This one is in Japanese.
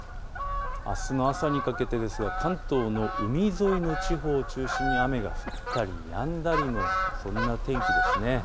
あすの朝にかけて関東の海沿いの地方を中心に雨が降ったりやんだりの天気です。